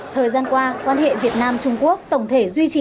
thời gian qua quan hệ việt nam trung quốc tổng thể duy trì